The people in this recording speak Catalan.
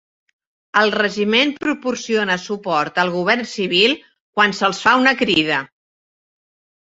El regiment proporciona suport al govern civil quan se'ls fa una crida.